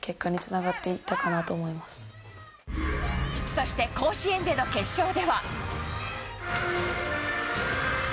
そして甲子園での決勝では。